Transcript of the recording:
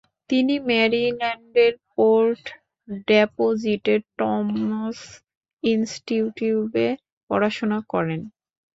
তিনি ম্যারিল্যান্ডের পোর্ট ডেপোজিটের টমস ইনস্টিটিউটে পড়াশোনা করেন।